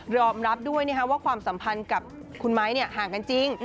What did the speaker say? อมรับด้วยว่าความสัมพันธ์กับคุณไม้ห่างกันจริง